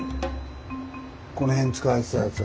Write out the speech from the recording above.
この辺使われてたやつ。